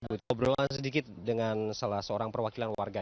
kita berobrol sedikit dengan salah seorang perwakilan warga